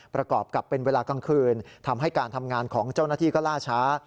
ประกอบกับเป็นเวลากลางคืนทำให้การทำงานของเจ้าหน้าที่ก็ล่าช้า